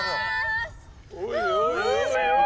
おいおい